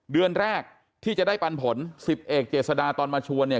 เดือนแรกที่จะได้ปันผล๑๐เอกเจษฎาตอนมาชวนเนี่ย